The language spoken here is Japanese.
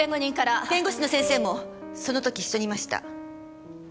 弁護士の先生もその時一緒にいました。